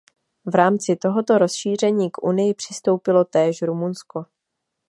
V rámci tohoto rozšíření k Unii přistoupilo též Rumunsko.